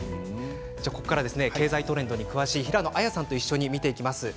ここからは経済トレンドに詳しい平野亜矢さんと一緒に見ていきます。